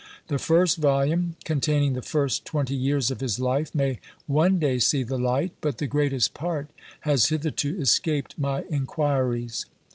The first volume, containing the first twenty years of his life, may one day see the light; but the greatest part has hitherto escaped my inquiries."